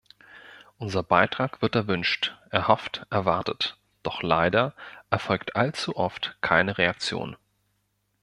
Unser Beitrag wird erwünscht, erhofft, erwartet, doch leider erfolgt allzu oft keine Reaktion.